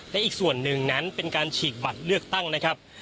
และอีกส่วนหนึ่งนั้นเป็นการฉีกบัตรเลือกตั้งนะครับ